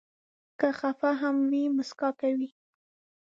که خفه هم وي، مسکا کوي.